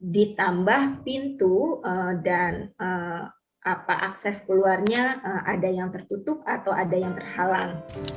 ditambah pintu dan akses keluarnya ada yang tertutup atau ada yang terhalang